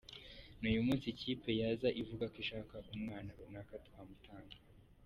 N’uyu munsi ikipe yaza ivuga ko ishaka umwana runaka twamutanga.